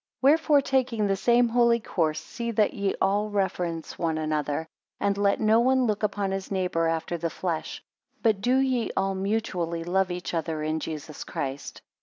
6 Wherefore taking the same holy course, see that ye all reverence one another, and let no one look upon his neighbour after the flesh; but do ye all mutually love each other in Jesus Christ.